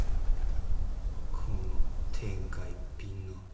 この天下一品のバカ。